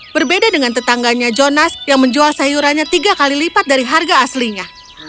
berbeda dengan tetangganya jonas yang menjual sayurannya tiga kali lipat dari harga aslinya